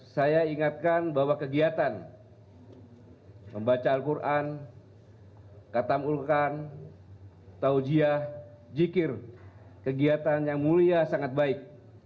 saya ingatkan bahwa kegiatan membaca al quran katamulkan taujiyah jikir kegiatan yang mulia sangat baik